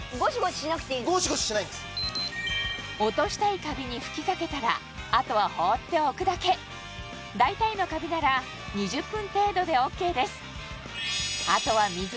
落としたいカビに吹きかけたらあとは放っておくだけ大体のカビなら２０分程度でＯＫです